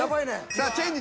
さあチェンジ。